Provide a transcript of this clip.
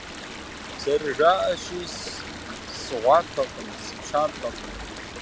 ЗэрыжаӀэщи, сыгъуапэкъым, сыпщампӀэкъым.